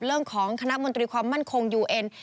เรื่องของคณะมนตรีความมั่นคงยูเอ็น